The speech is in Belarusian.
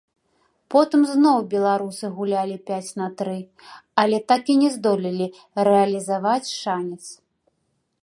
Потым зноў беларусы гулялі пяць на тры, але так і не здолелі рэалізаваць шанец.